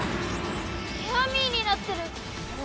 ヤミーになってる！？